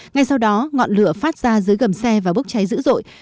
ngay sau đó ngọn lửa phát ra dưới gầm xe và bốc cháy dữ dội